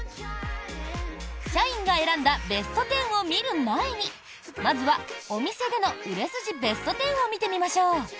社員が選んだベスト１０を見る前にまずはお店での売れ筋ベスト１０を見てみましょう。